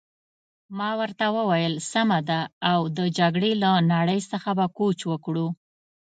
ما ورته وویل: سمه ده، او د جګړې له نړۍ څخه به کوچ وکړو.